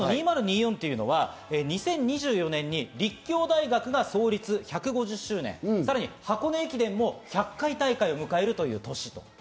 ２０２４というのは２０２４年に立教大学が創立１５０周年記念、そして箱根大会も１００回大会を迎えるという記念の年。